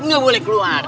gak boleh keluar